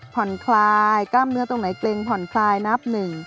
ผ่อนคลายกล้ามเนื้อตรงไหนเกรงผ่อนคลายนับหนึ่ง